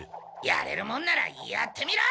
やれるもんならやってみろ！